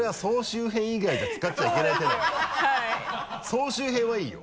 総集編はいいよ。